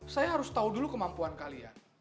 saya harus tahu dulu kemampuan kalian